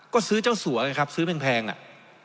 ก็ซื้อเจ้าสัวไงครับซื้อแพงอ่ะ